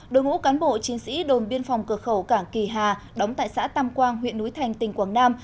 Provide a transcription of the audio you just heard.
đội ngũ cán bộ chiến sĩ đồn biên phòng cửa khẩu cảng kỳ hà đóng tại xã tam quang huyện núi thành tỉnh quảng nam